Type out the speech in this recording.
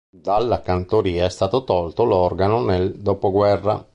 Dalla cantoria è stato tolto l'organo nel dopoguerra.